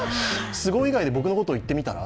すごい以外で僕のことを言ってみたら？